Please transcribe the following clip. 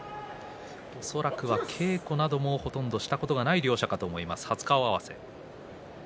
稽古場でもほとんどしたことがない両者かと思います、初顔合わせ。